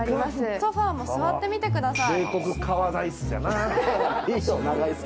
ソファーも座ってみてください。